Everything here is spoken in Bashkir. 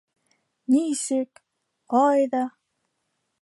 Нисек... ҡайҙа...